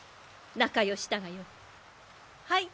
仲ようしたがよい。